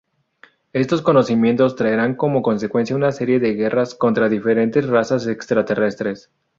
Estos conocimientos traerán como consecuencia una serie de guerras contra diferentes razas extraterrestres.